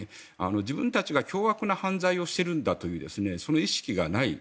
自分たちが凶悪な犯罪をしているんだというその意識がない。